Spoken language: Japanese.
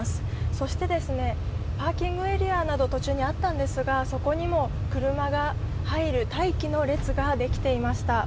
そしてパーキングエリアなど途中にあったんですけど、そこにも車が入る待機の列ができていました。